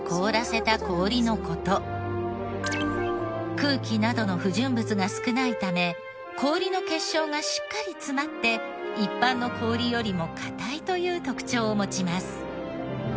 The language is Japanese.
空気などの不純物が少ないため氷の結晶がしっかり詰まって一般の氷よりも硬いという特徴を持ちます。